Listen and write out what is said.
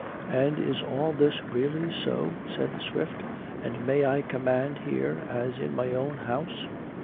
"And is all this really so?" said Swift, "and may I command here, as in my own house?"